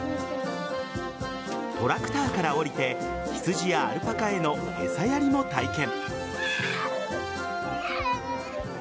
トラクターから降りて羊やアルパカへの餌やりも体験。